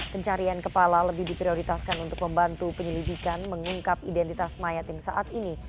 pencarian kepala lebih diprioritaskan untuk membantu penyelidikan mengungkap identitas mayat yang saat ini